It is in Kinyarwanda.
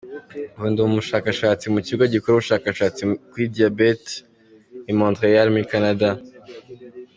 Ubu ni umushakashatsi mu kigo gikora ubushakashatsi kuri diabète i Montréal muri Canada.